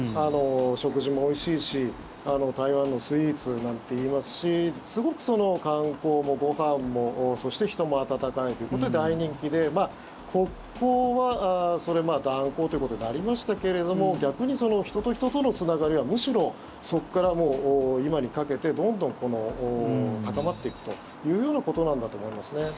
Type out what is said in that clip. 食事もおいしいし台湾のスイーツなんていいますしすごく観光もご飯も、そして人も温かいということで大人気で国交は断交ということになりましたけれども逆に、人と人とのつながりはむしろ、そこから今にかけてどんどん高まっていくというようなことだと思います。